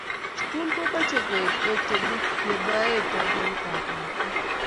sukul komoch koek wetonekinoen tabiait ab lakwa